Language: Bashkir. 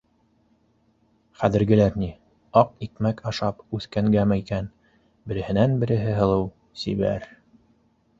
Хәҙергеләр ни, аҡ икмәк ашап үҫкәнгәме икән, береһенән- береһе һылыу, сибәр